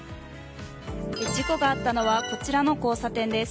事故があったのはこちらの交差点です。